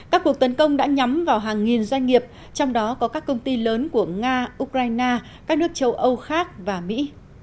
các cuộc tấn công đã nhắm vào hàng nghìn doanh nghiệp trong đó có các công ty lớn của nga ukraine các nước châu âu khác và mỹ